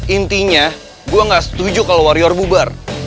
intinya gue gak setuju kalau warrior bubar